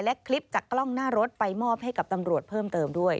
และคลิปจากกล้องหน้ารถไปมอบให้กับตำรวจเพิ่มเติมด้วย